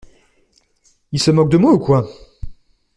Il se moque de moi ou quoi?